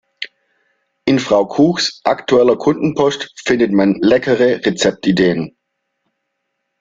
In Frau Kuchs aktueller Kundenpost findet man leckere Rezeptideen.